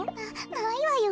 ないわよ。